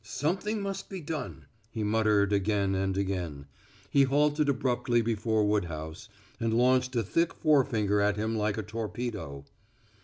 "Something must be done," he muttered again and again. He halted abruptly before Woodhouse, and launched a thick forefinger at him like a torpedo.